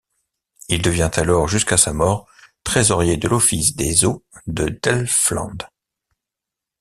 Il devient alors jusqu'à sa mort trésorier de l'office des eaux de Delfland.